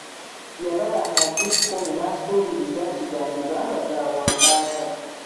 Yabala amaggi kkumi naasuubiriza nti gandiba nga ga wambaata.